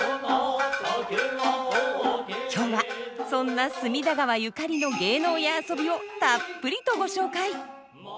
今日はそんな隅田川ゆかりの芸能や遊びをたっぷりとご紹介。